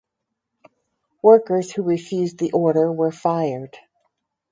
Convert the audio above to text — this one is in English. Workers who refused the order were fired.